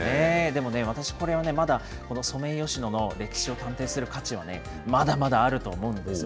でもね、私これはまだ、このソメイヨシノの歴史を鑑定する価値はね、まだまだあると思うんです。